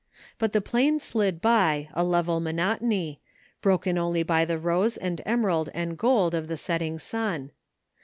But the plain slid by, a level monotony, broken only by the rose and emerald and gold of the setting sun.